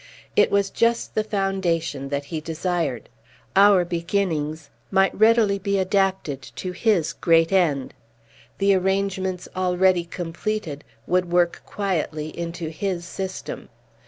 It was just the foundation that he desired. Our beginnings might readily be adapted to his great end. The arrangements already completed would work quietly into his system.